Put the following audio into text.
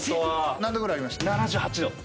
何℃ぐらいありました？